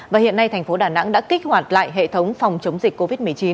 và hiện nay tp đà nẵng đã kích hoạt lại hệ thống phòng chống dịch covid một mươi chín